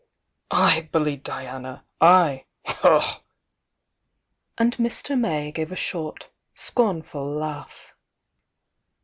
' I bully Diana! I!" And Mr. May gave a short scornful laugh.